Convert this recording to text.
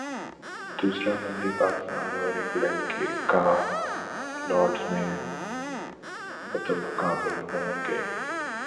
دوسرا one day Pakistan اور England کل لارڈز میں مدمقابل ہونگے